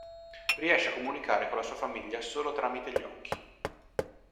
Riesce a comunicare con la sua famiglia solo tramite gli occhi.